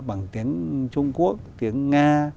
bằng tiếng trung quốc tiếng nga